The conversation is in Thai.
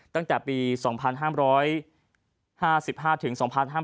ตั้งแต่ปี๒๕๕๕ถึง๒๕๕๙